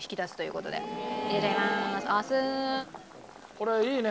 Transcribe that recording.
これいいね。